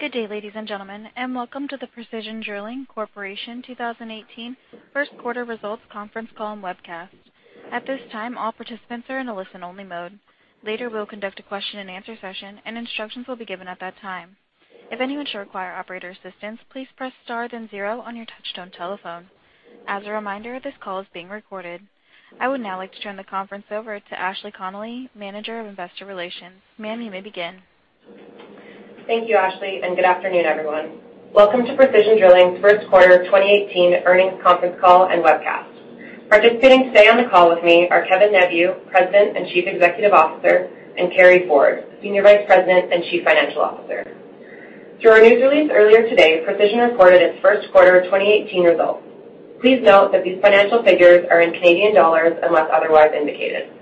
Good day, ladies and gentlemen, and welcome to the Precision Drilling Corporation 2018 first quarter results conference call and webcast. At this time, all participants are in a listen-only mode. Later, we'll conduct a question and answer session, and instructions will be given at that time. If anyone should require operator assistance, please press star then zero on your touch-tone telephone. As a reminder, this call is being recorded. I would now like to turn the conference over to Ashley Connolly, Manager of Investor Relations. Ma'am, you may begin. Thank you, Ashley. Good afternoon, everyone. Welcome to Precision Drilling's first quarter 2018 earnings conference call and webcast. Participating today on the call with me are Kevin Neveu, President and Chief Executive Officer, and Carey Ford, Senior Vice President and Chief Financial Officer. Through our news release earlier today, Precision reported its first quarter of 2018 results. Please note that these financial figures are in Canadian dollars unless otherwise indicated.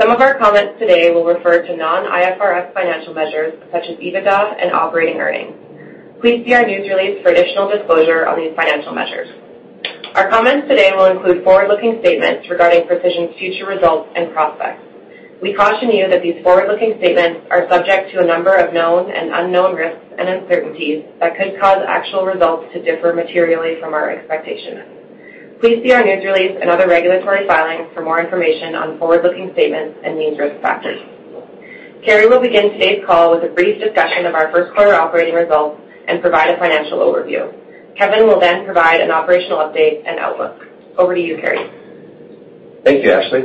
Some of our comments today will refer to non-IFRS financial measures such as EBITDA and operating earnings. Please see our news release for additional disclosure on these financial measures. Our comments today will include forward-looking statements regarding Precision's future results and prospects. We caution you that these forward-looking statements are subject to a number of known and unknown risks and uncertainties that could cause actual results to differ materially from our expectations. Please see our news release and other regulatory filings for more information on forward-looking statements and these risk factors. Carey will begin today's call with a brief discussion of our first quarter operating results and provide a financial overview. Kevin will provide an operational update and outlook. Over to you, Carey. Thank you, Ashley.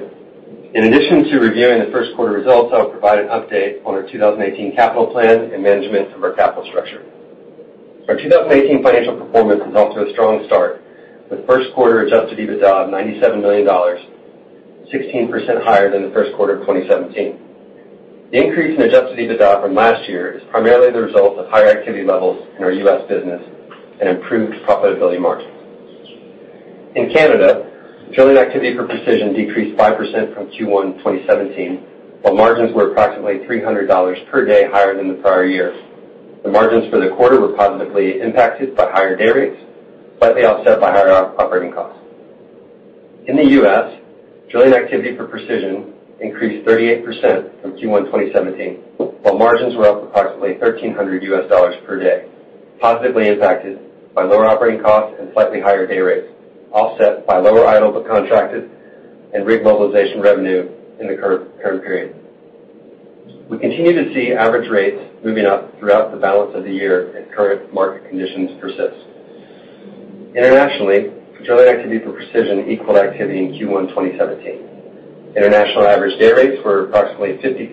In addition to reviewing the first quarter results, I will provide an update on our 2018 capital plan and management of our capital structure. Our 2018 financial performance is off to a strong start, with first quarter adjusted EBITDA of 97 million dollars, 16% higher than the first quarter of 2017. The increase in adjusted EBITDA from last year is primarily the result of higher activity levels in our U.S. business and improved profitability margins. In Canada, drilling activity for Precision decreased 5% from Q1 2017, while margins were approximately 300 dollars per day higher than the prior year. The margins for the quarter were positively impacted by higher day rates, slightly offset by higher operating costs. In the U.S., drilling activity for Precision increased 38% from Q1 2017, while margins were up approximately $1,300 per day, positively impacted by lower operating costs and slightly higher day rates, offset by lower idle but contracted and rig mobilization revenue in the current period. We continue to see average rates moving up throughout the balance of the year if current market conditions persist. Internationally, drilling activity for Precision equaled activity in Q1 2017. International average day rates were approximately $50,000,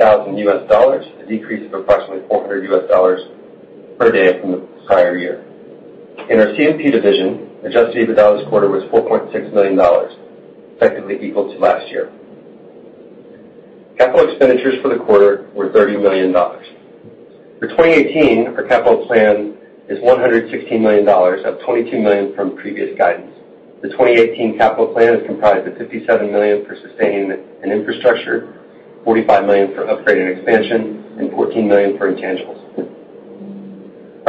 a decrease of approximately $400 per day from the prior year. In our CMP division, adjusted EBITDA this quarter was 4.6 million dollars, effectively equal to last year. Capital expenditures for the quarter were 30 million dollars. For 2018, our capital plan is 116 million dollars, up 22 million from previous guidance. The 2018 capital plan is comprised of 57 million for sustaining and infrastructure, 45 million for upgrade and expansion, and 14 million for intangibles.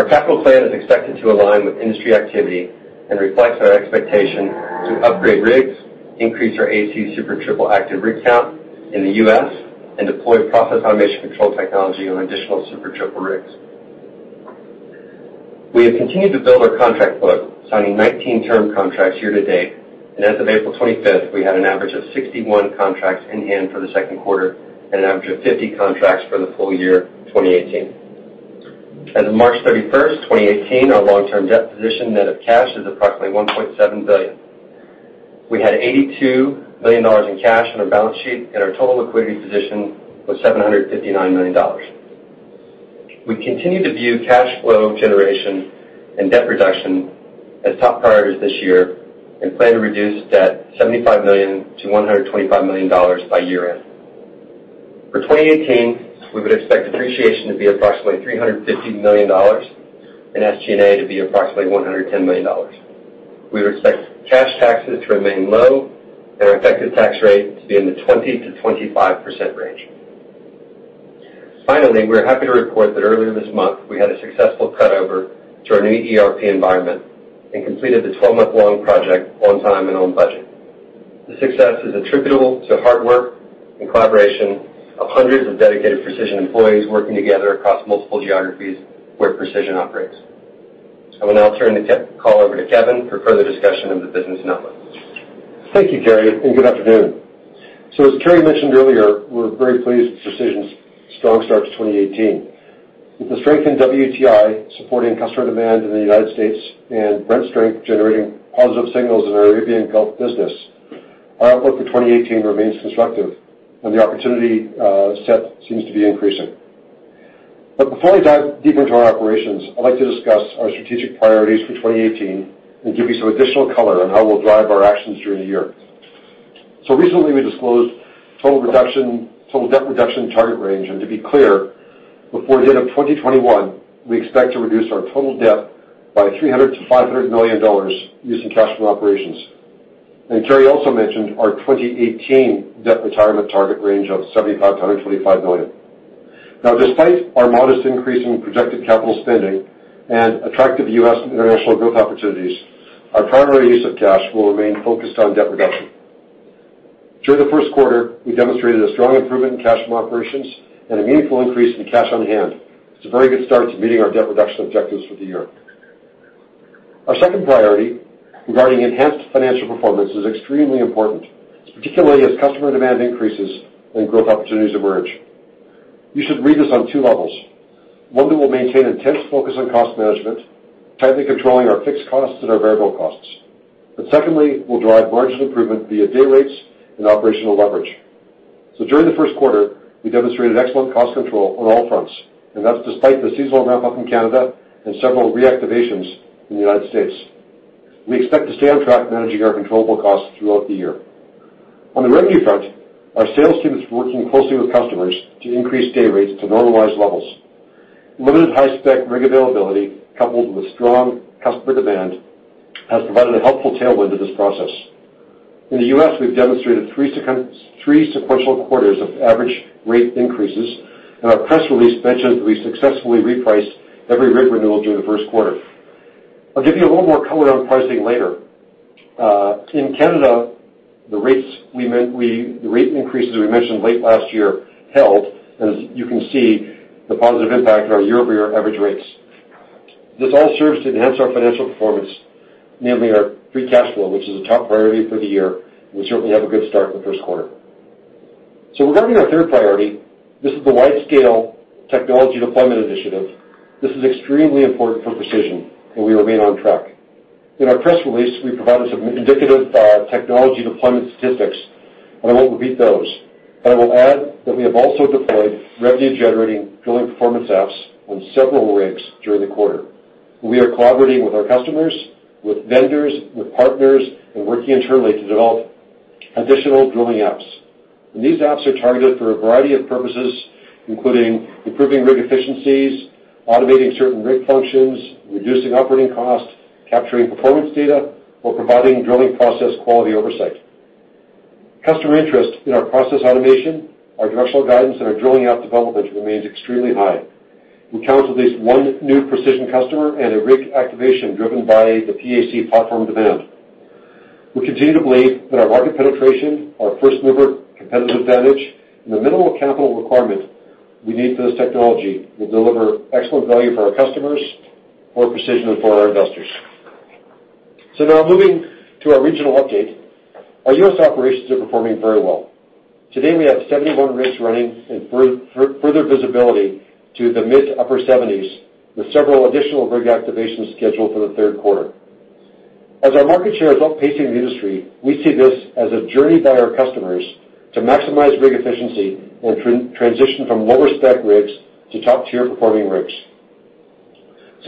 Our capital plan is expected to align with industry activity and reflects our expectation to upgrade rigs, increase our AC Super Triple active rig count in the U.S., and deploy Process Automation Control technology on additional Super Triple rigs. We have continued to build our contract book, signing 19 term contracts year to date, and as of April 25th, we had an average of 61 contracts in hand for the second quarter and an average of 50 contracts for the full year 2018. As of March 31st, 2018, our long-term debt position net of cash is approximately 1.7 billion. We had 82 million dollars in cash on our balance sheet, and our total liquidity position was 759 million dollars. We continue to view cash flow generation and debt reduction as top priorities this year and plan to reduce debt 75 million to 125 million dollars by year-end. For 2018, we would expect depreciation to be approximately 350 million dollars and SG&A to be approximately 110 million dollars. We would expect cash taxes to remain low and our effective tax rate to be in the 20%-25% range. Finally, we are happy to report that earlier this month, we had a successful cutover to our new ERP environment and completed the 12-month long project on time and on budget. The success is attributable to hard work and collaboration of hundreds of dedicated Precision employees working together across multiple geographies where Precision operates. I will now turn the call over to Kevin for further discussion of the business and outlook. Thank you, Carey, and good afternoon. As Carey mentioned earlier, we're very pleased with Precision's strong start to 2018. With the strength in WTI supporting customer demand in the United States and Brent strength generating positive signals in our Arabian Gulf business, our outlook for 2018 remains constructive, and the opportunity set seems to be increasing. Before we dive deep into our operations, I'd like to discuss our strategic priorities for 2018 and give you some additional color on how we'll drive our actions during the year. Recently, we disclosed total debt reduction target range, and to be clear, before the end of 2021, we expect to reduce our total debt by 300 million to 500 million dollars using cash from operations. Carey also mentioned our 2018 debt retirement target range of 75 million to 125 million. Despite our modest increase in projected capital spending and attractive U.S. and international growth opportunities, our primary use of cash will remain focused on debt reduction. During the first quarter, we demonstrated a strong improvement in cash from operations and a meaningful increase in cash on hand. It's a very good start to meeting our debt reduction objectives for the year. Our second priority regarding enhanced financial performance is extremely important, particularly as customer demand increases and growth opportunities emerge. You should read this on 2 levels. One, that we'll maintain intense focus on cost management, tightly controlling our fixed costs and our variable costs. Secondly, we'll drive margin improvement via day rates and operational leverage. During the first quarter, we demonstrated excellent cost control on all fronts, and that's despite the seasonal ramp-up in Canada and several reactivations in the U.S. We expect to stay on track managing our controllable costs throughout the year. On the revenue front, our sales team is working closely with customers to increase day rates to normalized levels. Limited high-spec rig availability, coupled with strong customer demand, has provided a helpful tailwind to this process. In the U.S., we've demonstrated 3 sequential quarters of average rate increases, and our press release mentions that we successfully repriced every rig renewal during the first quarter. I'll give you a little more color on pricing later. In Canada, the rate increases we mentioned late last year held, and you can see the positive impact on our year-over-year average rates. This all serves to enhance our financial performance, namely our free cash flow, which is a top priority for the year. We certainly have a good start in the first quarter. Regarding our third priority, this is the wide-scale technology deployment initiative. This is extremely important for Precision, and we remain on track. In our press release, we provided some indicative technology deployment statistics, and I won't repeat those. I will add that we have also deployed revenue-generating drilling performance apps on several rigs during the quarter. We are collaborating with our customers, with vendors, with partners, and working internally to develop additional drilling apps. These apps are targeted for a variety of purposes, including improving rig efficiencies, automating certain rig functions, reducing operating costs, capturing performance data, or providing drilling process quality oversight. Customer interest in our process automation, our directional guidance, and our drilling app development remains extremely high. We count at least one new Precision customer and a rig activation driven by the PAC platform demand. Now moving to our regional update. Our U.S. operations are performing very well. Today, we have 71 rigs running and further visibility to the mid-to-upper 70s, with several additional rig activations scheduled for the third quarter. As our market share is outpacing the industry, we see this as a journey by our customers to maximize rig efficiency and transition from lower-spec rigs to top-tier performing rigs.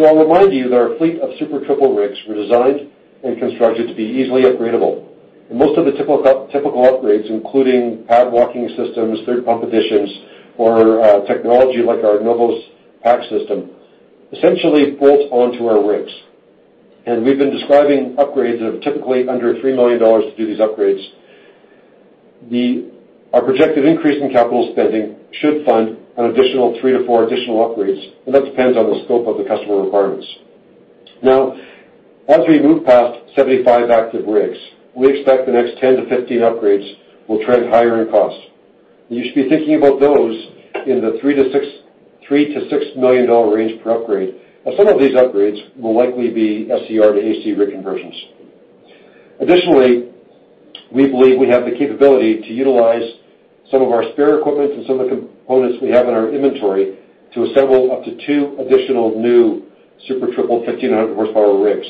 I'll remind you that our fleet of Super Triple rigs were designed and constructed to be easily upgradable. Most of the typical upgrades, including pad walking systems, third pump additions, or technology like our NOVOS PAC system, essentially bolt onto our rigs. We've been describing upgrades that are typically under 3 million dollars to do these upgrades. Our projected increase in capital spending should fund an additional three to four additional upgrades, and that depends on the scope of the customer requirements. As we move past 75 active rigs, we expect the next 10 to 15 upgrades will trend higher in cost. You should be thinking about those in the 3 million-6 million dollar range per upgrade, and some of these upgrades will likely be SCR to AC rig conversions. Additionally, we believe we have the capability to utilize some of our spare equipment and some of the components we have in our inventory to assemble up to two additional new Super Triple 1500 horsepower rigs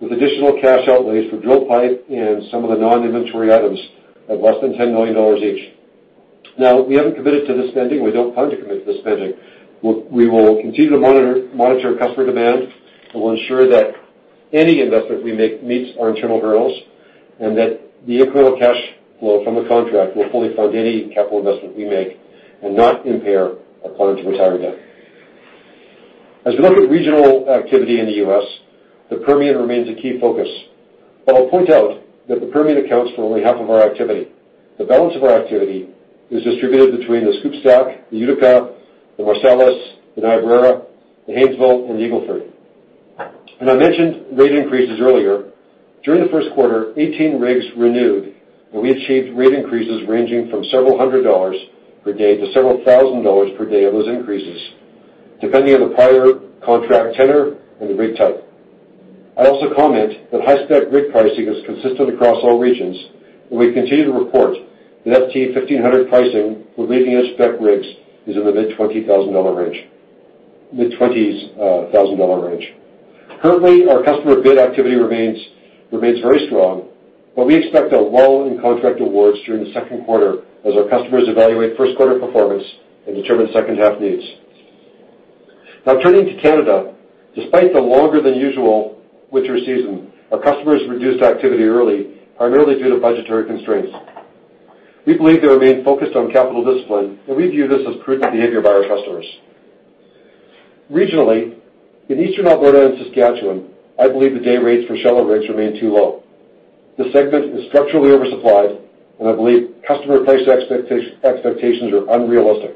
with additional cash outlays for drill pipe and some of the non-inventory items of less than 10 million dollars each. We haven't committed to this spending, we don't plan to commit to this spending. We will continue to monitor customer demand, we'll ensure that any investment we make meets our internal hurdles, and that the incremental cash flow from the contract will fully fund any capital investment we make and not impair our plan to retire debt. As we look at regional activity in the U.S., the Permian remains a key focus. I'll point out that the Permian accounts for only half of our activity. The balance of our activity is distributed between the SCOOP/STACK, the Utica, the Marcellus, the Niobrara, the Haynesville, and the Eagle Ford. I mentioned rate increases earlier. During the first quarter, 18 rigs renewed, we achieved rate increases ranging from several hundred CAD per day to several thousand CAD per day on those increases, depending on the prior contract tenor and the rig type. I'd also comment that high-spec rig pricing is consistent across all regions, we continue to report that ST-1500 pricing for leading-edge spec rigs is in the mid-CAD 20,000 range. Currently, our customer bid activity remains very strong, we expect a lull in contract awards during the second quarter as our customers evaluate first quarter performance and determine second half needs. Turning to Canada. Despite the longer-than-usual winter season, our customers reduced activity early, primarily due to budgetary constraints. We believe they remain focused on capital discipline, we view this as prudent behavior by our customers. Regionally, in Eastern Alberta and Saskatchewan, I believe the day rates for shallow rigs remain too low. This segment is structurally oversupplied, I believe customer price expectations are unrealistic.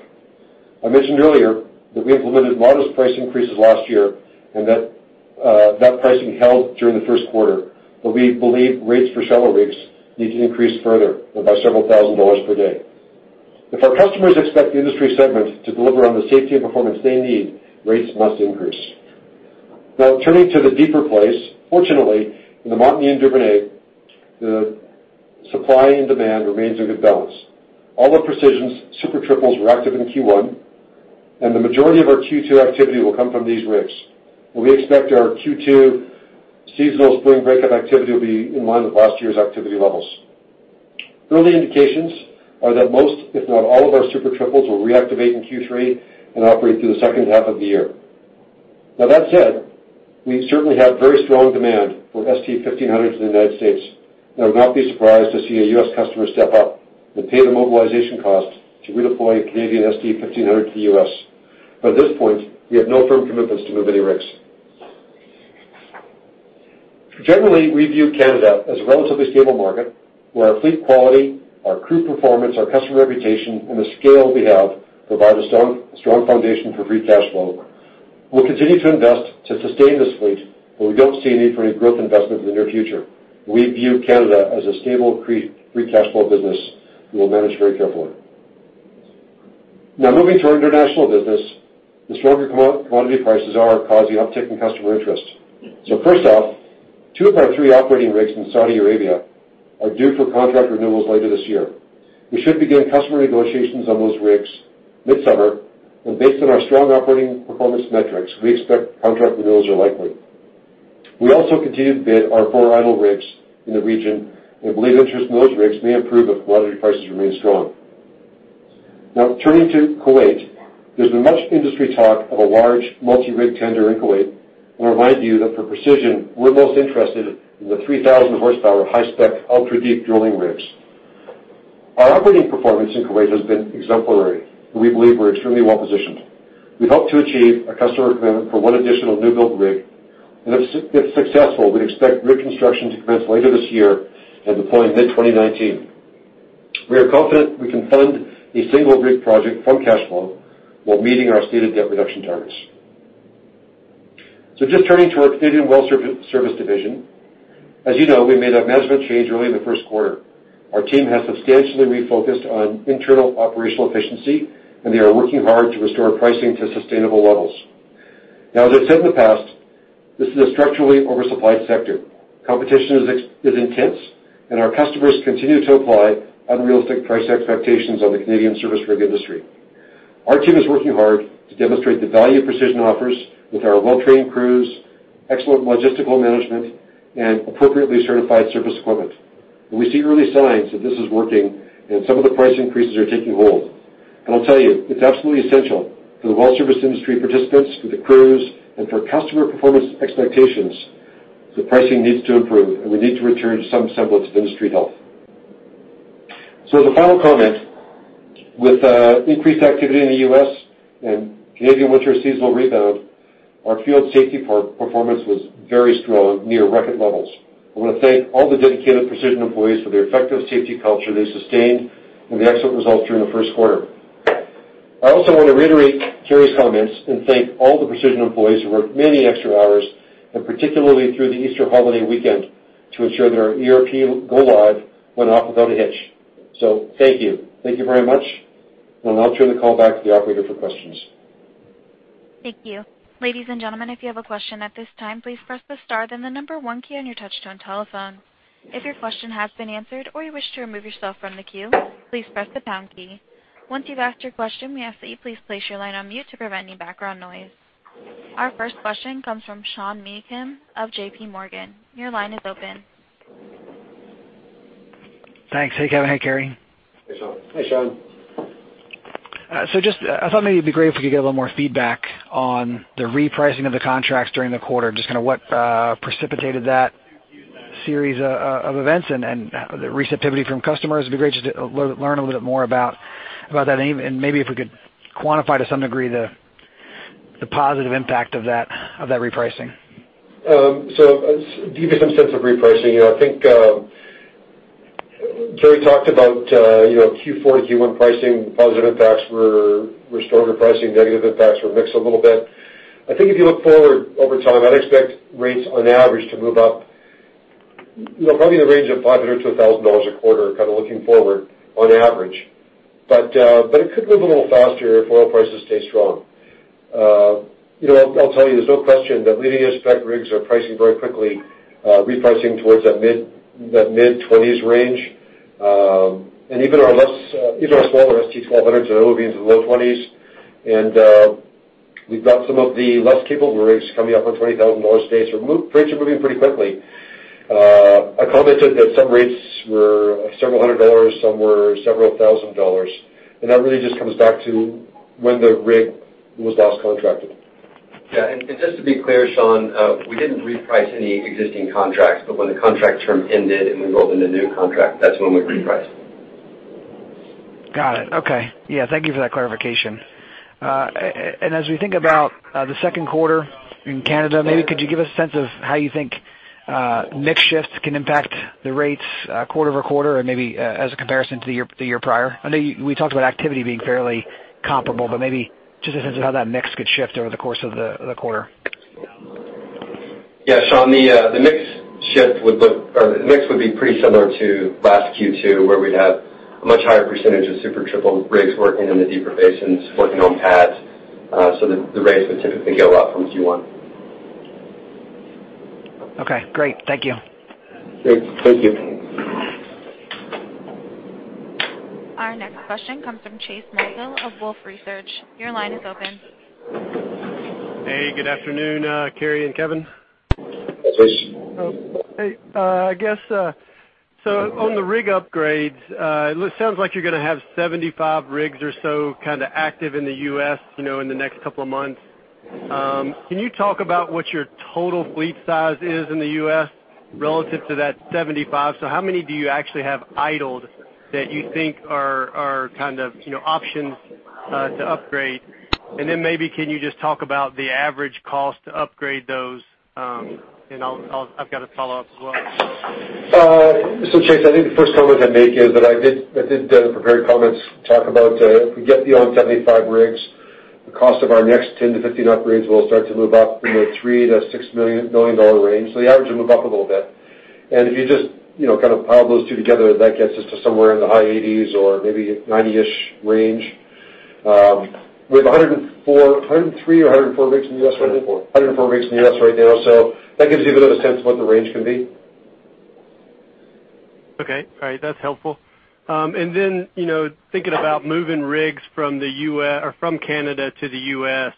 I mentioned earlier that we implemented modest price increases last year, pricing held during the first quarter. We believe rates for shallow rigs need to increase further and by several thousand CAD per day. If our customers expect the industry segment to deliver on the safety and performance they need, rates must increase. Turning to the deeper plays. Fortunately, in the Montney and Duvernay, the supply and demand remains in good balance. All of Precision's Super Triples were active in Q1, the majority of our Q2 activity will come from these rigs. We expect our Q2 seasonal spring breakup activity will be in line with last year's activity levels. Early indications are that most, if not all, of our Super Triples will reactivate in Q3 and operate through the second half of the year. That said, we certainly have very strong demand for ST-1500s in the U.S., and I would not be surprised to see a U.S. customer step up and pay the mobilization costs to redeploy a Canadian ST-1500 to the U.S. At this point, we have no firm commitments to move any rigs. We view Canada as a relatively stable market where our fleet quality, our crew performance, our customer reputation, and the scale we have provide a strong foundation for free cash flow. We will continue to invest to sustain this fleet, but we do not see a need for any growth investment in the near future. We view Canada as a stable free cash flow business we will manage very carefully. Moving to our international business. The stronger commodity prices are causing uptick in customer interest. First off, 2 of our 3 operating rigs in Saudi Arabia are due for contract renewals later this year. We should begin customer negotiations on those rigs mid-summer, and based on our strong operating performance metrics, we expect contract renewals are likely. We also continue to bid our 4 idle rigs in the region and believe interest in those rigs may improve if commodity prices remain strong. Turning to Kuwait. There has been much industry talk of a large multi-rig tender in Kuwait. I want to remind you that for Precision, we are most interested in the 3,000 horsepower high-spec, ultra-deep drilling rigs. Our operating performance in Kuwait has been exemplary, and we believe we are extremely well-positioned. We hope to achieve a customer commitment for 1 additional newbuild rig, and if successful, we would expect rig construction to commence later this year and deploy mid-2019. We are confident we can fund a single rig project from cash flow while meeting our stated debt reduction targets. Just turning to our Canadian well service division. As you know, we made a management change early in the first quarter. Our team has substantially refocused on internal operational efficiency, and they are working hard to restore pricing to sustainable levels. As I have said in the past, this is a structurally oversupplied sector. Competition is intense, and our customers continue to apply unrealistic price expectations on the Canadian service rig industry. Our team is working hard to demonstrate the value Precision offers with our well-trained crews, excellent logistical management, and appropriately certified service equipment. We see early signs that this is working and some of the price increases are taking hold. I will tell you, it is absolutely essential for the well service industry participants, for the crews, and for customer performance expectations that pricing needs to improve, and we need to return to some semblance of industry health. As a final comment, with increased activity in the U.S. and Canadian winter seasonal rebound, our field safety performance was very strong, near record levels. I want to thank all the dedicated Precision employees for the effective safety culture they sustained and the excellent results during the first quarter. I also want to reiterate Carey's comments and thank all the Precision employees who worked many extra hours, and particularly through the Easter holiday weekend, to ensure that our ERP go live went off without a hitch. Thank you. Thank you very much. I'll now turn the call back to the operator for questions. Thank you. Ladies and gentlemen, if you have a question at this time, please press the star, then the number one key on your touchtone telephone. If your question has been answered or you wish to remove yourself from the queue, please press the pound key. Once you've asked your question, we ask that you please place your line on mute to prevent any background noise. Our first question comes from Sean Meakim of JPMorgan. Your line is open. Thanks. Hey, Kevin. Hey, Carey. Hey, Sean. Hey, Sean. Just I thought maybe it'd be great if we could get a little more feedback on the repricing of the contracts during the quarter. Just kind of what precipitated that series of events and the receptivity from customers? It'd be great just to learn a little bit more about that, and maybe if we could quantify to some degree the positive impact of that repricing. To give you some sense of repricing, I think Carey talked about Q4 to Q1 pricing. Positive impacts were stronger pricing, negative impacts were mixed a little bit. I think if you look forward over time, I'd expect rates on average to move up probably in the range of 500 to 1,000 dollars a quarter kind of looking forward on average. It could move a little faster if oil prices stay strong. I'll tell you, there's no question that leading edge spec rigs are pricing very quickly, repricing towards that mid-20s range. Even our smaller ST-1200s are moving into the low 20s, and we've got some of the less capable rigs coming up on 20,000 dollars a day, so rates are moving pretty quickly. I commented that some rates were CAD several hundred, some were CAD several thousand, and that really just comes back to when the rig was last contracted. Yeah. Just to be clear, Sean, we didn't reprice any existing contracts, but when the contract term ended and we rolled into new contract, that's when we repriced. Got it. Okay. Yeah, thank you for that clarification. As we think about the 2Q in Canada, maybe could you give a sense of how you think Mix shifts can impact the rates, quarter-over-quarter and maybe, as a comparison to the year prior. I know we talked about activity being fairly comparable, just a sense of how that mix could shift over the course of the quarter. Yeah, Sean, the mix would be pretty similar to last Q2, where we'd have a much higher percentage of Super Triple rigs working in the deeper basins, working on pads, the rates would typically go up from Q1. Okay, great. Thank you. Thank you. Our next question comes from Chase Mulvehill of Wolfe Research. Your line is open. Hey, good afternoon, Carey and Kevin. Hey, Chase. Hey. I guess, on the rig upgrades, it sounds like you're going to have 75 rigs or so kind of active in the U.S., you know, in the next couple of months. Can you talk about what your total fleet size is in the U.S. relative to that 75? How many do you actually have idled that you think are kind of, you know, options to upgrade? Then maybe, can you just talk about the average cost to upgrade those, and I'll I've got a follow-up as well. Chase, I think the first comment I'd make is that I did, in the prepared comments talk about, if we get the 75 rigs, the cost of our next 10 to 15 upgrades will start to move up in the 3 million-6 million dollar range. The average will move up a little bit. If you just, you know, kind of pile those two together, that gets us to somewhere in the high 80s or maybe 90-ish range. We have 103 or 104 rigs in the U.S. right now? 104. 104 rigs in the U.S. right now, that gives you a little sense of what the range can be. Okay. All right. That's helpful. Then, you know, thinking about moving rigs from Canada to the U.S.,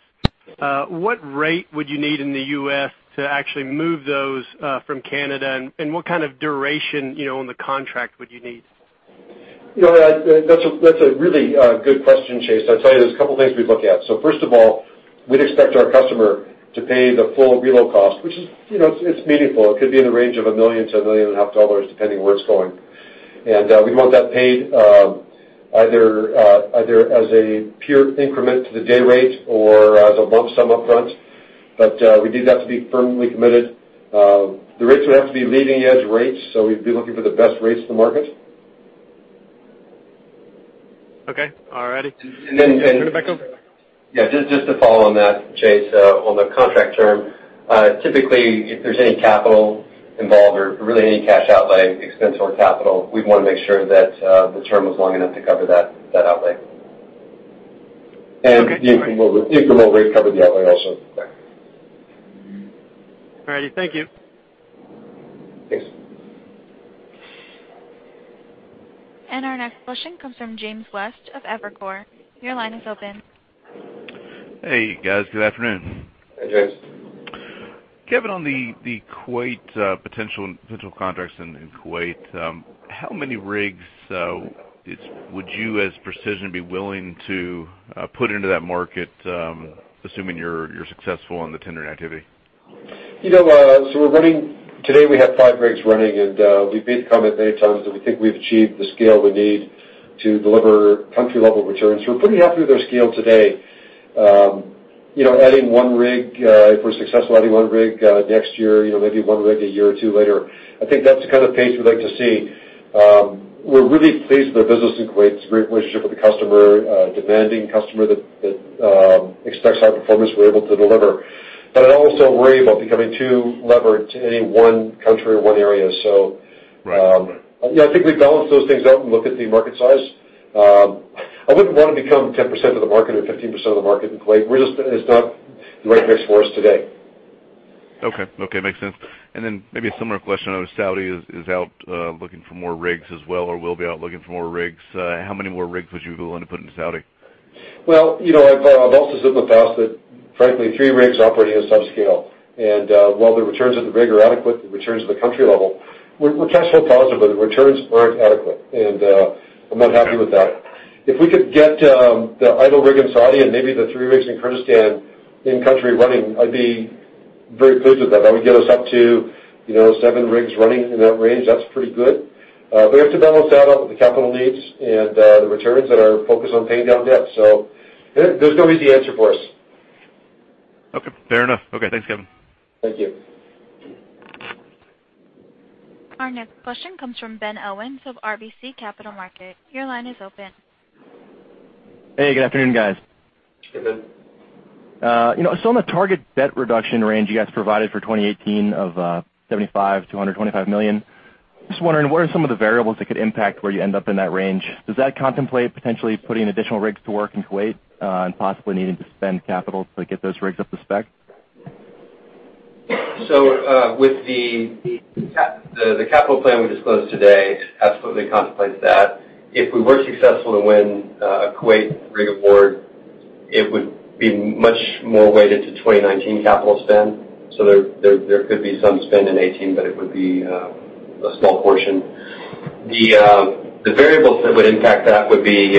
what rate would you need in the U.S. to actually move those from Canada, and what kind of duration, you know, on the contract would you need? You know, that's a, that's a really good question, Chase. I'll tell you there's a couple of things we'd look at. First of all, we'd expect our customer to pay the full reload cost, which is, you know, it's meaningful. It could be in the range of 1 million to 1.5 million, depending on where it's going. We'd want that paid, either as a pure increment to the day rate or as a lump sum up front. We'd need that to be firmly committed. The rates would have to be leading edge rates, we'd be looking for the best rates in the market. Okay. All righty. Then- Yeah, turn it back over. Yeah, just to follow on that, Chase, on the contract term, typically, if there's any capital involved or really any cash outlay, expense or capital, we'd wanna make sure that the term was long enough to cover that outlay. Okay. Usually we'll recover the outlay also. All righty. Thank you. Thanks. Our next question comes from James West of Evercore. Your line is open. Hey, guys. Good afternoon. Hey, James. Kevin, on the Kuwait, potential contracts in Kuwait, how many rigs would you as Precision be willing to put into that market, assuming you're successful in the tendering activity? You know, Today we have five rigs running, we've made the comment many times that we think we've achieved the scale we need to deliver country-level returns. We're pretty happy with our scale today. You know, adding one rig, if we're successful, adding one rig next year, you know, maybe one rig a year or two later, I think that's the kind of pace we'd like to see. We're really pleased with our business in Kuwait. It's a great relationship with the customer, a demanding customer that expects high performance we're able to deliver. I'd also worry about becoming too levered to any one country or one area. Right. Yeah, I think we balance those things out and look at the market size. I wouldn't want to become 10% of the market or 15% of the market in Kuwait. It's not the right mix for us today. Okay, makes sense. Maybe a similar question. I know Saudi is out looking for more rigs as well, or will be out looking for more rigs. How many more rigs would you be willing to put into Saudi? Well, you know, I've also said in the past that frankly, three rigs operating is subscale. While the returns of the rig are adequate, the returns at the country level, we're cash flow positive, the returns aren't adequate. I'm not happy with that. If we could get the idle rig in Saudi and maybe the three rigs in Kurdistan in country running, I'd be very pleased with that. That would get us up to, you know, seven rigs running in that range. That's pretty good. We have to balance that out with the capital needs and the returns that are focused on paying down debt. There's no easy answer for us. Okay. Fair enough. Thanks, Kevin. Thank you. Our next question comes from Benjamin Owens of RBC Capital Markets. Your line is open. Hey, good afternoon, guys. Hey, Ben. On the target debt reduction range you guys provided for 2018 of 75 million-125 million, just wondering, what are some of the variables that could impact where you end up in that range? Does that contemplate potentially putting additional rigs to work in Kuwait and possibly needing to spend capital to get those rigs up to spec? With the capital plan we disclosed today absolutely contemplates that. If we were successful to win a Kuwait rig award, it would be much more weighted to 2019 capital spend. There could be some spend in 2018, but it would be a small portion. The variables that would impact that would be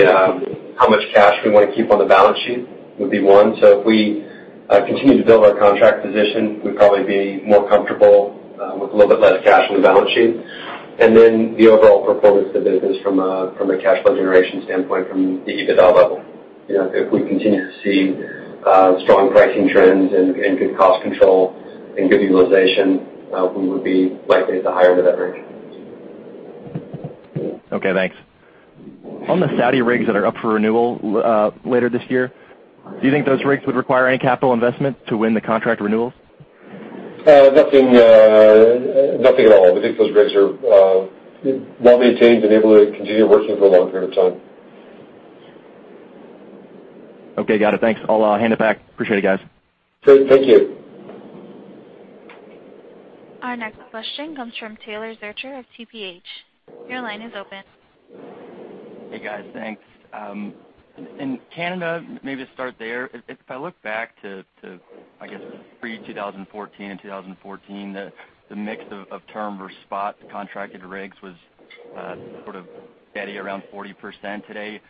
how much cash we wanna keep on the balance sheet, would be one. If we continue to build our contract position, we'd probably be more comfortable with a little bit less cash on the balance sheet. The overall performance of the business from a cash flow generation standpoint, from the EBITDA level. If we continue to see strong pricing trends and good cost control and good utilization, we would be likely at the higher end of that range. Okay, thanks. On the Saudi rigs that are up for renewal later this year, do you think those rigs would require any capital investment to win the contract renewals? Nothing at all. We think those rigs are well-maintained and able to continue working for a long period of time. Okay, got it. Thanks. I'll hand it back. Appreciate it, guys. Great. Thank you. Our next question comes from Taylor Zurcher of TPH. Your line is open. Hey, guys. Thanks. In Canada, maybe to start there, if I look back to, I guess, pre-2014 and 2014, the mix of term versus spot contracted rigs was sort of steady around 40% today.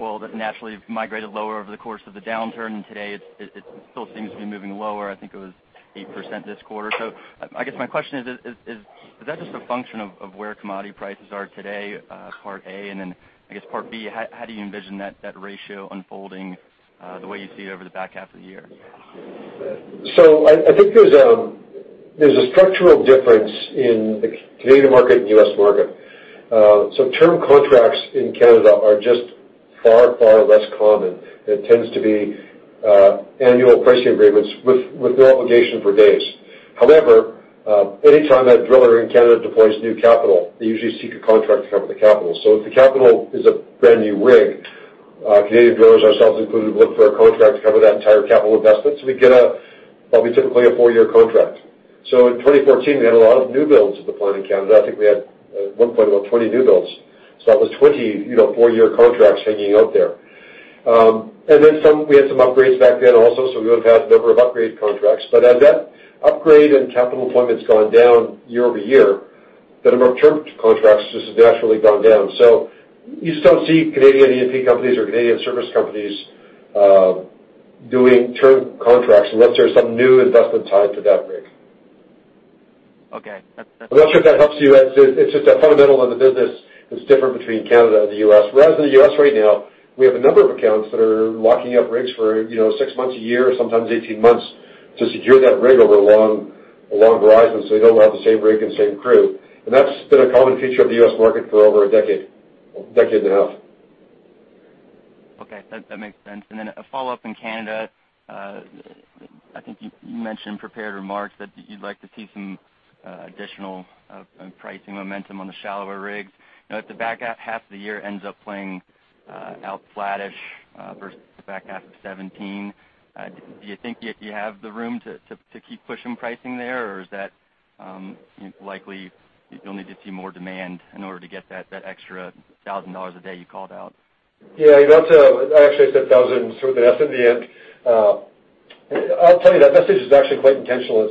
Well, that naturally migrated lower over the course of the downturn, and today it still seems to be moving lower. I think it was 8% this quarter. I guess my question is: Is that just a function of where commodity prices are today, part A, and then I guess part B, how do you envision that ratio unfolding the way you see it over the back half of the year? I think there's a structural difference in the Canadian market and U.S. market. Term contracts in Canada are just far less common. It tends to be annual pricing agreements with the obligation for days. However, anytime that driller in Canada deploys new capital, they usually seek a contract to cover the capital. If the capital is a brand-new rig, Canadian drillers, ourselves included, look for a contract to cover that entire capital investment. We get what would be typically a four-year contract. In 2014, we had a lot of new builds deployed in Canada. I think we had at one point about 20 new builds. That was 20 four-year contracts hanging out there. We had some upgrades back then also, so we would have had a number of upgrade contracts. As that upgrade and capital deployment's gone down year-over-year, the number of term contracts has just naturally gone down. You just don't see Canadian E&P companies or Canadian service companies doing term contracts unless there's some new investment tied to that rig. Okay. I'm not sure if that helps you. It's just a fundamental of the business that's different between Canada and the U.S. Whereas in the U.S. right now, we have a number of accounts that are locking up rigs for six months, a year, sometimes 18 months, to secure that rig over a long horizon so they don't have the same rig and same crew, and that's been a common feature of the U.S. market for over a decade, a decade and a half. Okay. That makes sense. A follow-up in Canada. I think you mentioned prepared remarks that you'd like to see some additional pricing momentum on the shallower rigs. If the back half of the year ends up playing out flattish versus the back half of 2017, do you think you have the room to keep pushing pricing there, or is that likely you'll need to see more demand in order to get that extra 1,000 dollars a day you called out? Yeah. Actually, I said thousands with an S at the end. I'll tell you that message is actually quite intentional.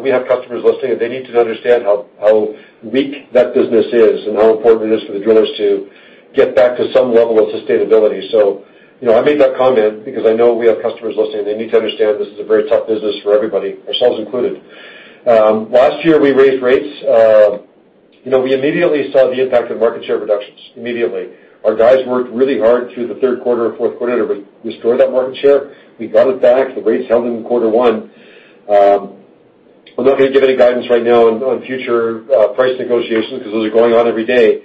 We have customers listening, they need to understand how weak that business is and how important it is for the drillers to get back to some level of sustainability. I made that comment because I know we have customers listening. They need to understand this is a very tough business for everybody, ourselves included. Last year we raised rates. We immediately saw the impact of market share reductions. Immediately. Our guys worked really hard through the third quarter and fourth quarter to restore that market share. We got it back. The rates held in quarter one. I'm not going to give any guidance right now on future price negotiations because those are going on every day.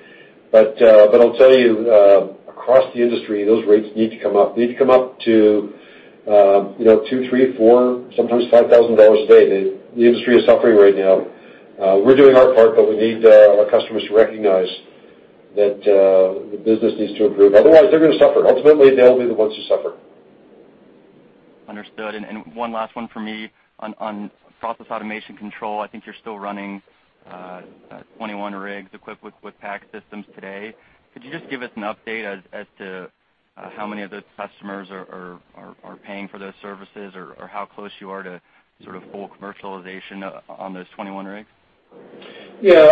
I'll tell you, across the industry, those rates need to come up. They need to come up to two, three, four, sometimes 5,000 dollars a day. The industry is suffering right now. We're doing our part, we need our customers to recognize that the business needs to improve, otherwise they're going to suffer. Ultimately, they'll be the ones who suffer. Understood. One last one for me on Process Automation Control. I think you're still running 21 rigs equipped with PAC systems today. Could you just give us an update as to how many of those customers are paying for those services or how close you are to sort of full commercialization on those 21 rigs? Yeah.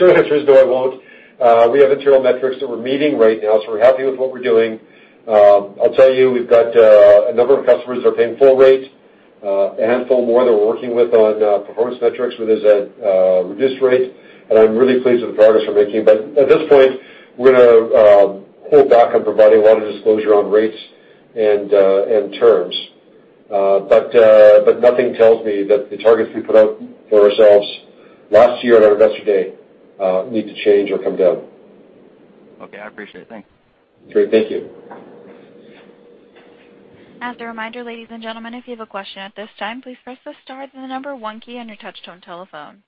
Short answer is, no, I won't. We have internal metrics that we're meeting right now, so we're happy with what we're doing. I'll tell you, we've got a number of customers that are paying full rate, a handful more that we're working with on performance metrics where there's a reduced rate. I'm really pleased with the progress we're making. At this point, we're going to hold back on providing a lot of disclosure on rates and terms. Nothing tells me that the targets we put out for ourselves last year at our investor day need to change or come down. Okay, I appreciate it. Thanks. Great. Thank you. As a reminder, ladies and gentlemen, if you have a question at this time, please press the star then the number 1 key on your touchtone telephone.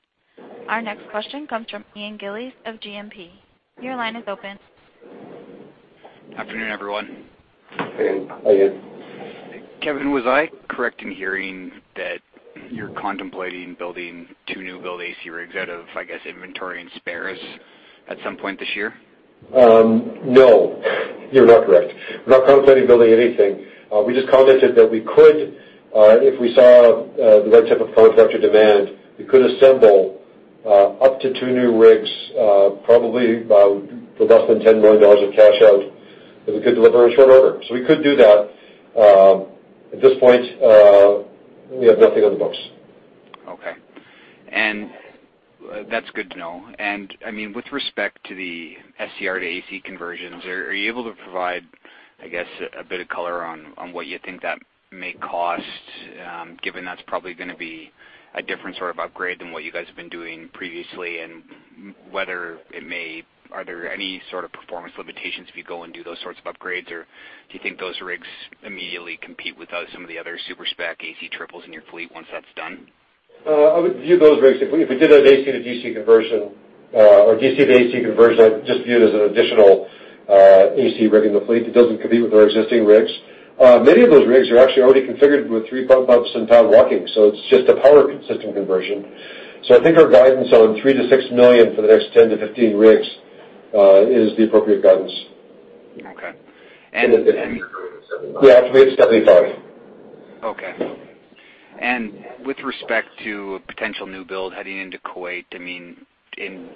Our next question comes from Ian Gillies of GMP. Your line is open. Afternoon, everyone. Hey, Ian. How are you? Kevin, was I correct in hearing that you're contemplating building two new build AC rigs out of, I guess, inventory and spares at some point this year? No, you're not correct. We're not contemplating building anything. We just commented that we could if we saw the right type of contract or demand, we could assemble up to two new rigs probably for less than 10 million dollars of cash out that we could deliver in short order. We could do that. At this point, we have nothing on the books. Okay. That's good to know. With respect to the SCR to AC conversions, are you able to provide, I guess, a bit of color on what you think that may cost, given that's probably going to be a different sort of upgrade than what you guys have been doing previously? Whether are there any sort of performance limitations if you go and do those sorts of upgrades, or do you think those rigs immediately compete with some of the other super spec AC triples in your fleet once that's done? I would view those rigs, if we did an AC to DC conversion, or DC to AC conversion, I'd just view it as an additional AC rig in the fleet. It doesn't compete with our existing rigs. Many of those rigs are actually already configured with three pump ups and downwalking, it's just a power system conversion. I think our guidance on 3 million-6 million for the next 10-15 rigs, is the appropriate guidance. Okay. Yeah, up to CAD 875. With respect to a potential new build heading into Kuwait, in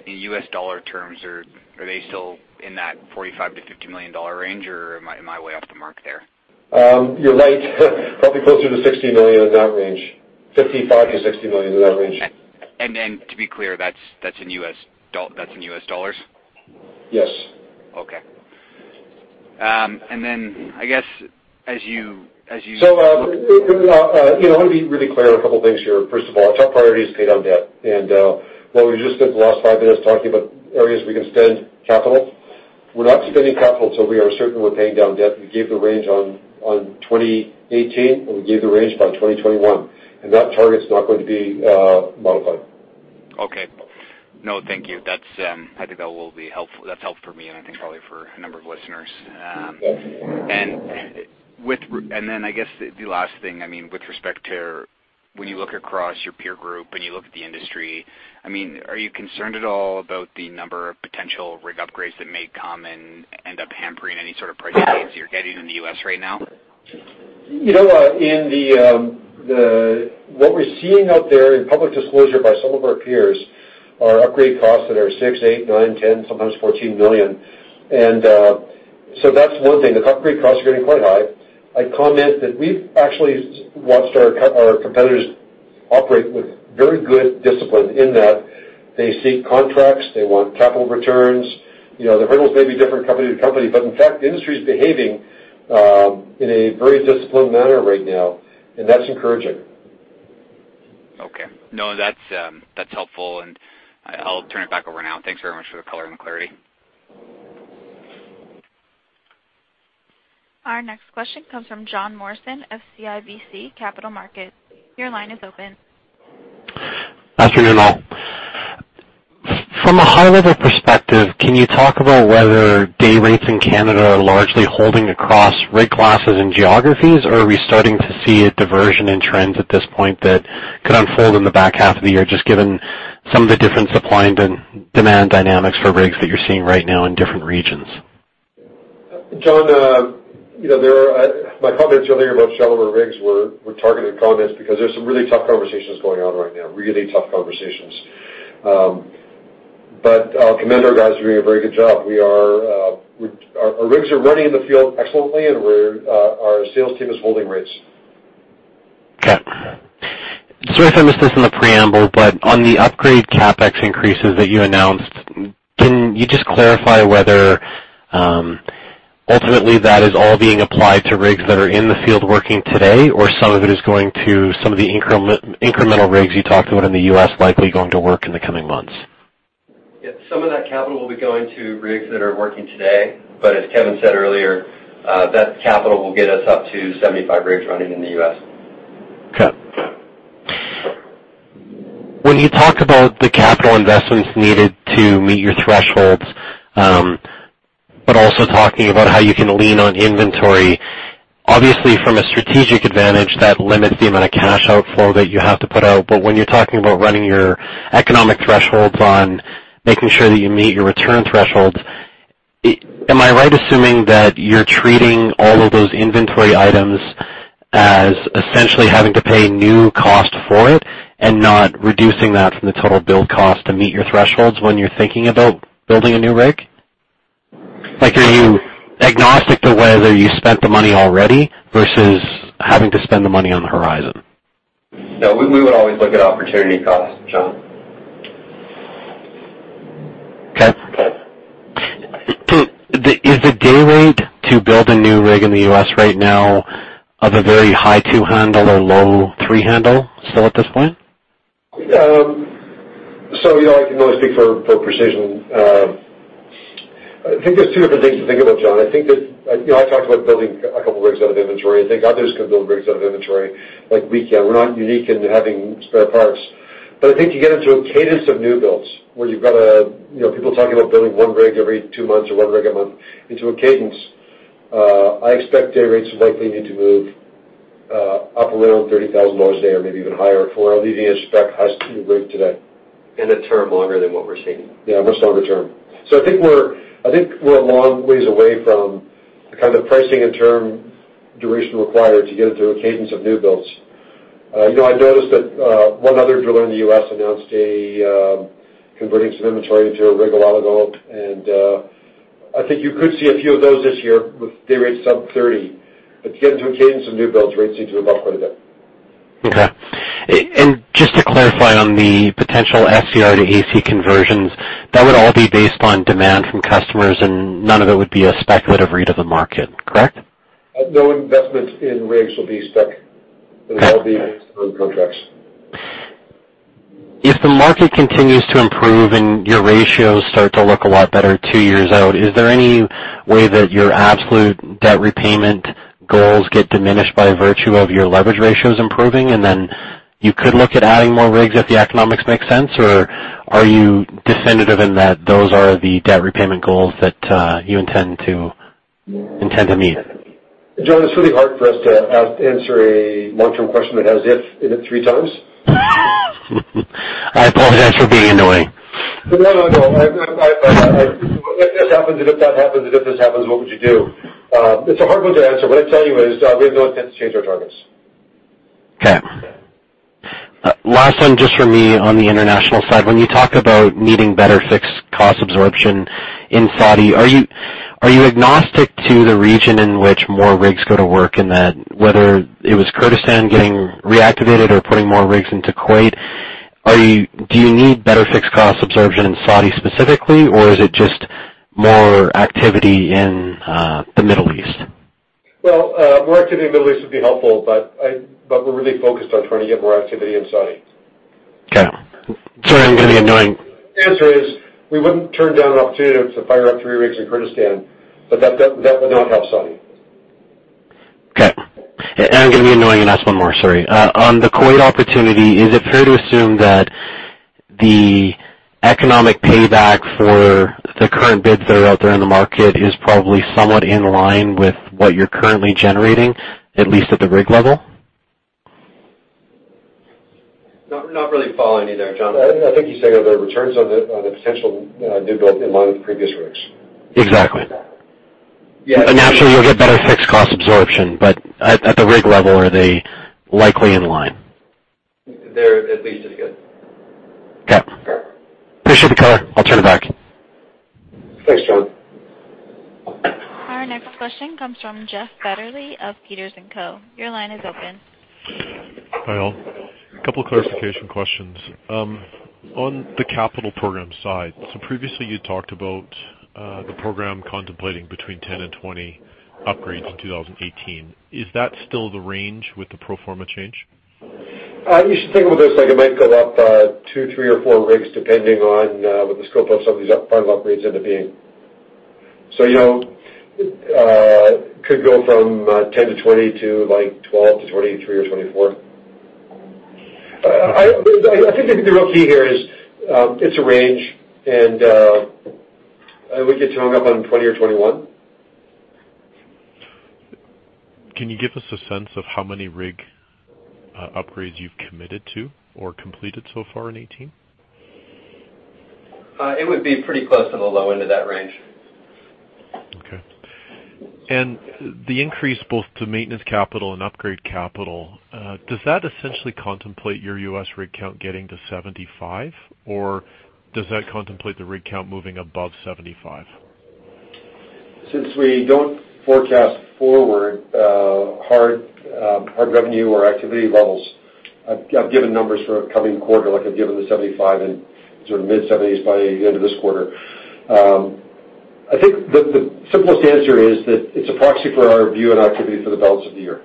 US dollar terms, are they still in that $45 million-$50 million range, or am I way off the mark there? You're light. Probably closer to $60 million in that range. $55 million-$60 million in that range. To be clear, that's in US dollars? Yes. Okay. I want to be really clear on a couple things here. First of all, our top priority is to pay down debt. While we just spent the last five minutes talking about areas we can spend capital, we're not spending capital until we are certain we're paying down debt. We gave the range on 2018, and we gave the range by 2021. That target's not going to be modified. Okay. No, thank you. I think that's helpful for me and I think probably for a number of listeners. I guess the last thing, with respect to when you look across your peer group and you look at the industry, are you concerned at all about the number of potential rig upgrades that may come and end up hampering any sort of pricing gains that you're getting in the U.S. right now? What we're seeing out there in public disclosure by some of our peers are upgrade costs that are six, eight, nine, 10, sometimes 14 million. That's one thing. The upgrade costs are getting quite high. I'd comment that we've actually watched our competitors operate with very good discipline in that they seek contracts, they want capital returns. The hurdles may be different company to company, but in fact, the industry's behaving in a very disciplined manner right now, and that's encouraging. Okay. No, that's helpful and I'll turn it back over now. Thanks very much for the color and clarity. Our next question comes from John Morrison of CIBC Capital Markets. Your line is open. Afternoon, all. From a high-level perspective, can you talk about whether day rates in Canada are largely holding across rate classes and geographies? Are we starting to see a diversion in trends at this point that could unfold in the back half of the year, just given some of the different supply and demand dynamics for rigs that you're seeing right now in different regions? John, my comments the other day about shallower rigs were targeted comments because there's some really tough conversations going on right now. Really tough conversations. I'll commend our guys for doing a very good job. Our rigs are running in the field excellently, and our sales team is holding rates. Okay. Sorry if I missed this in the preamble, but on the upgrade CapEx increases that you announced, can you just clarify whether ultimately that is all being applied to rigs that are in the field working today, or some of it is going to some of the incremental rigs you talked about in the U.S. likely going to work in the coming months? Yeah. Some of that capital will be going to rigs that are working today, as Kevin said earlier, that capital will get us up to 75 rigs running in the U.S. Okay. When you talk about the capital investments needed to meet your thresholds, also talking about how you can lean on inventory, obviously from a strategic advantage, that limits the amount of cash outflow that you have to put out. When you're talking about running your economic thresholds on making sure that you meet your return thresholds, am I right assuming that you're treating all of those inventory items as essentially having to pay new cost for it and not reducing that from the total build cost to meet your thresholds when you're thinking about building a new rig? Are you agnostic to whether you spent the money already versus having to spend the money on the horizon? No, we would always look at opportunity cost, John. Okay. Okay. Is the day rate to build a new rig in the U.S. right now of a very high two handle or low three handle still at this point? I can only speak for Precision Drilling. I think there's 2 different things to think about, John. I talked about building a couple rigs out of inventory. I think others can build rigs out of inventory like we can. We're not unique in having spare parts. I think you get into a cadence of new builds where you've got people talking about building 1 rig every 2 months or 1 rig a month into a cadence. I expect day rates likely need to move up around 30,000 dollars a day or maybe even higher for a leading spec high steel rig today. In a term longer than what we're seeing. A much longer term. I think we're a long ways away from the kind of pricing and term duration required to get into a cadence of new builds. I noticed that 1 other driller in the U.S. announced converting some inventory into a rig a while ago, and I think you could see a few of those this year with day rate sub 30. To get into a cadence of new builds, rates need to move up quite a bit. Just to clarify on the potential SCR to AC conversions, that would all be based on demand from customers and none of it would be a speculative read of the market, correct? No investments in rigs will be spec. It will all be based on contracts. If the market continues to improve and your ratios start to look a lot better two years out, is there any way that your absolute debt repayment goals get diminished by virtue of your leverage ratios improving, and then you could look at adding more rigs if the economics make sense? Or are you definitive in that those are the debt repayment goals that you intend to meet? John, it's really hard for us to answer a long-term question that has "if" in it three times. I apologize for being annoying. No, if this happens and if that happens, and if this happens, what would you do? It's a hard one to answer. What I'd tell you is, we have no intent to change our targets. Okay. Last one just from me on the international side. When you talk about needing better fixed cost absorption in Saudi, are you agnostic to the region in which more rigs go to work in that, whether it was Kurdistan getting reactivated or putting more rigs into Kuwait, do you need better fixed cost absorption in Saudi specifically, or is it just more activity in the Middle East? Well, more activity in the Middle East would be helpful, but we're really focused on trying to get more activity in Saudi. Okay. Sorry, I'm going to be annoying. The answer is, we wouldn't turn down an opportunity to fire up three rigs in Kurdistan, but that would not help Saudi. Okay. I'm going to be annoying and ask one more, sorry. On the Kuwait opportunity, is it fair to assume that the economic payback for the current bids that are out there in the market is probably somewhat in line with what you're currently generating, at least at the rig level? Not really following you there, John. I think he's saying, are the returns on the potential new build in line with the previous rigs? Exactly. Yeah. Naturally, you'll get better fixed cost absorption, but at the rig level, are they likely in line? They're at least as good. Okay. Appreciate the color. I'll turn it back. Thanks, John. Our next question comes from Jeff Fetterley of Peters & Co. Your line is open. Hi, all. Couple of clarification questions. On the capital program side, previously you talked about the program contemplating between 10 and 20 upgrades in 2018. Is that still the range with the pro forma change? You should think about this like it might go up two, three, or four rigs, depending on what the scope of some of these upgrades end up being. It could go from 10 to 20 to 12 to 23 or 24. I think the real key here is it's a range, I wouldn't get too hung up on 20 or 21. Can you give us a sense of how many rig upgrades you've committed to or completed so far in 2018? It would be pretty close to the low end of that range. Okay. The increase both to maintenance capital and upgrade capital, does that essentially contemplate your U.S. rig count getting to 75, or does that contemplate the rig count moving above 75? Since we don't forecast forward hard revenue or activity levels, I've given numbers for a coming quarter, like I've given the 75 and mid-70s by the end of this quarter. I think the simplest answer is that it's a proxy for our view on activity for the balance of the year.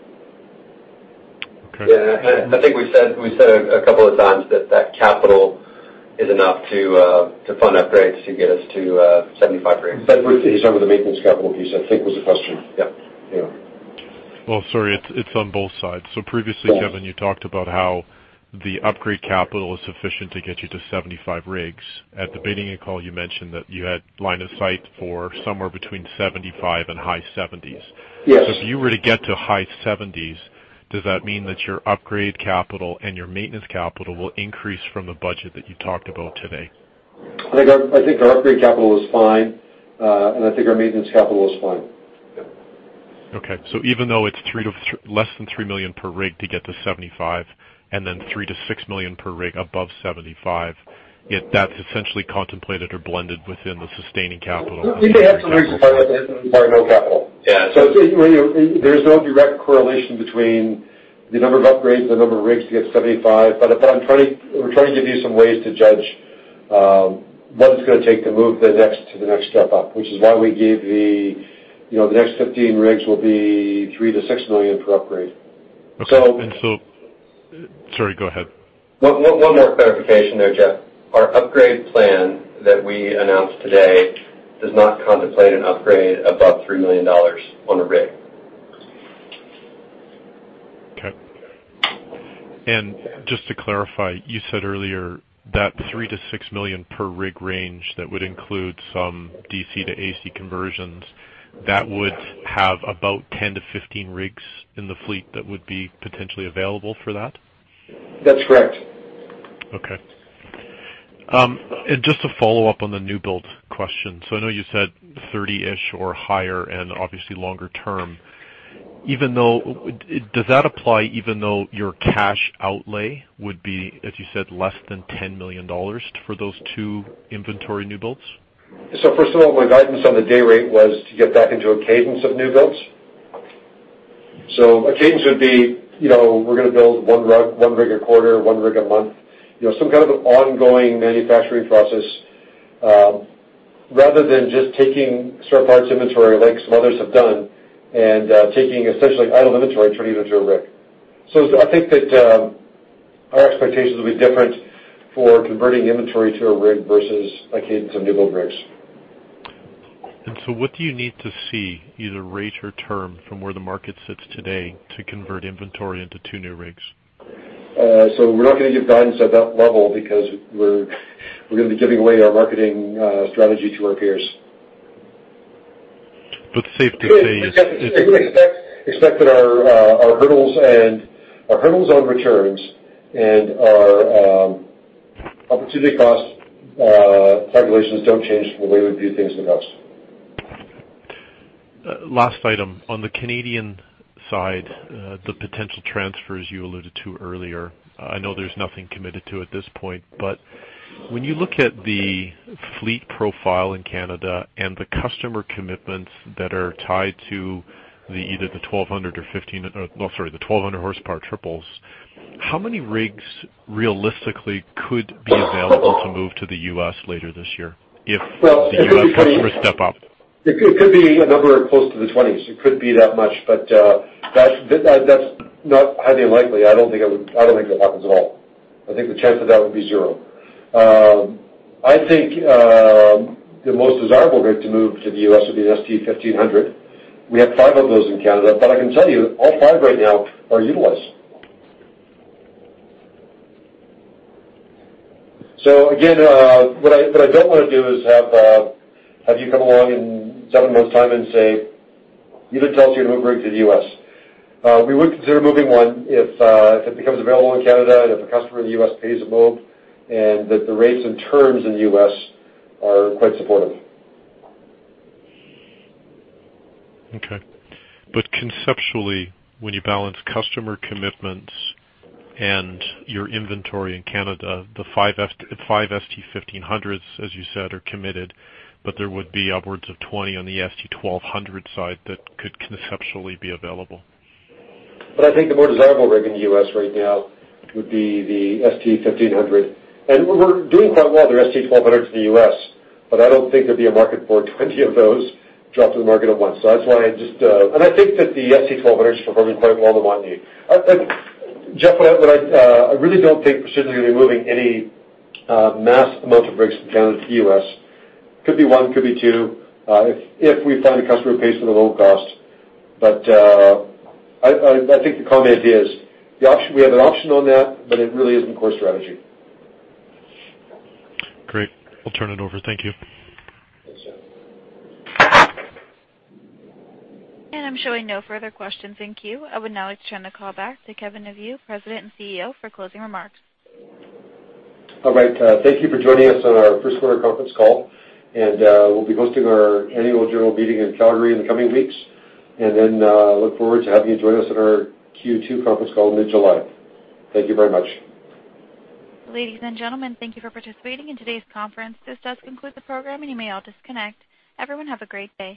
Okay. Yeah. I think we've said a couple of times that that capital is enough to fund upgrades to get us to 75 rigs. He's talking about the maintenance capital piece, I think was the question. Yeah. Well, sorry, it's on both sides. Previously, Kevin, you talked about how the upgrade capital is sufficient to get you to 75 rigs. At the beginning of the call, you mentioned that you had line of sight for somewhere between 75 and high 70s. Yes. If you were to get to high 70s, does that mean that your upgrade capital and your maintenance capital will increase from the budget that you talked about today? I think our upgrade capital is fine, I think our maintenance capital is fine. Yeah. Okay. Even though it's less than 3 million per rig to get to 75, and then 3 million-6 million per rig above 75, yet that's essentially contemplated or blended within the sustaining capital. We may have some rigs that require no capital. Yeah. There's no direct correlation between the number of upgrades, the number of rigs to get to 75. We're trying to give you some ways to judge what it's going to take to move to the next step up, which is why we gave the next 15 rigs will be 3 million-6 million per upgrade. Okay. Sorry, go ahead. One more clarification there, Jeff. Our upgrade plan that we announced today does not contemplate an upgrade above 3 million dollars on a rig. Okay. Just to clarify, you said earlier that 3 million-6 million per rig range, that would include some DC to AC conversions that would have about 10-15 rigs in the fleet that would be potentially available for that? That's correct. Okay. Just to follow up on the new builds question. I know you said 30-ish or higher, and obviously longer term. Does that apply even though your cash outlay would be, as you said, less than 10 million dollars for those two inventory new builds? First of all, my guidance on the day rate was to get back into a cadence of new builds. A cadence would be, we're going to build one rig a quarter, one rig a month. Some kind of an ongoing manufacturing process, rather than just taking surplus inventory like some others have done, and taking essentially idle inventory and turning it into a rig. I think that our expectations will be different for converting inventory to a rig versus a cadence of new build rigs. What do you need to see, either rate or term from where the market sits today to convert inventory into two new rigs? We're not going to give guidance at that level because we're going to be giving away our marketing strategy to our peers. safely say is- We expect that our hurdles on returns and our opportunity cost calculations don't change from the way we view things in the past. Last item. On the Canadian side, the potential transfers you alluded to earlier. I know there's nothing committed to at this point, but when you look at the fleet profile in Canada and the customer commitments that are tied to either the 1,200 horsepower triples, how many rigs realistically could be available to move to the U.S. later this year if the U.S. customers step up? It could be a number close to the 20s. It could be that much, but that's not highly unlikely. I don't think that would happen at all. I think the chance of that would be zero. I think the most desirable rig to move to the U.S. would be an ST-1500. We have five of those in Canada, but I can tell you all five right now are utilized. Again, what I don't want to do is have you come along in seven months time and say, "You didn't tell us you'd move rigs to the U.S." We would consider moving one if it becomes available in Canada and if a customer in the U.S. pays to move, and that the rates and terms in the U.S. are quite supportive. Okay. Conceptually, when you balance customer commitments and your inventory in Canada, the five ST-1500s, as you said, are committed, but there would be upwards of 20 on the ST-1200 side that could conceptually be available. I think the more desirable rig in the U.S. right now would be the ST-1500. We're doing quite well with our ST-1200s in the U.S., but I don't think there'd be a market for 20 of those dropped to the market at once. I think that the ST-1200 is performing quite well in the Montney. Jeff, I really don't think Precision is going to be moving any mass amount of rigs from Canada to the U.S. Could be one, could be two, if we find a customer who pays for the low cost. I think the common idea is we have an option on that, but it really isn't core strategy. Great. I'll turn it over. Thank you. Thanks, Jeff. I'm showing no further questions in queue. I would now like to turn the call back to Kevin Neveu, President and CEO, for closing remarks. All right. Thank you for joining us on our first quarter conference call, and we'll be hosting our annual general meeting in Calgary in the coming weeks. Look forward to having you join us on our Q2 conference call in mid-July. Thank you very much. Ladies and gentlemen, thank you for participating in today's conference. This does conclude the program, and you may all disconnect. Everyone have a great day.